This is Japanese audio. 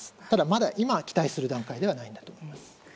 ただ、今は期待する段階ではないと思います。